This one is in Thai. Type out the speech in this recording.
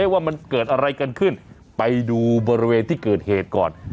ว่ามันเกิดอะไรกันขึ้นไปดูบริเวณที่เกิดเหตุก่อน